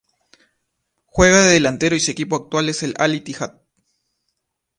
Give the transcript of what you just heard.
Juega de Delantero y su equipo actual es el Al-Ittihad.